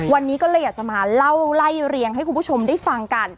วันนี้ก็เลยอยากจะมาเล่าไล่เรียงให้คุณผู้ชมได้ฟังกัน